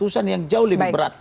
urusan yang jauh lebih berat